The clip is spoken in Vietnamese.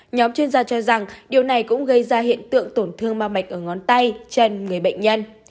nhóm chuyên gia cho rằng điều này cũng gây ra hiện tượng tổn thương ma mạch ở ngón tay chân người bệnh nhân